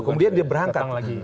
kemudian dia berangkat